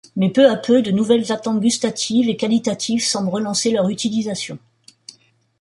Mais peu à peu, de nouvelles attentes gustatives et qualitatives semblent relancer leur utilisation.